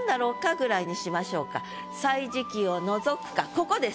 ここです。